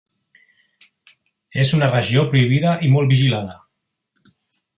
És una regió prohibida i molt vigilada.